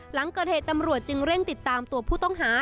หลังเกิดเหตุตำรวจจึงเร่งติดตามตัวผู้ต้องหา